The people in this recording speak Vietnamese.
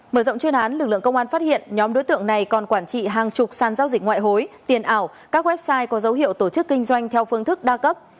mở rộng chuyên án lực lượng công an phát hiện nhóm đối tượng này còn quản trị hàng chục sàn giao dịch ngoại hối tiền ảo các website có dấu hiệu tổ chức kinh doanh theo phương thức đa cấp